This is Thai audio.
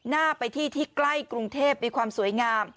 หน้าไปที่ที่ใกล้กรุงเทพมีความสวยงาม